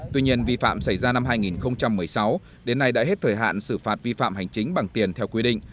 tuy nhiên vi phạm xảy ra năm hai nghìn một mươi sáu đến nay đã hết thời hạn xử phạt vi phạm hành chính bằng tiền theo quy định